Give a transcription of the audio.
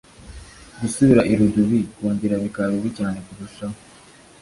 gusubira irudubi: kongera bikaba bibi cyane kurushaho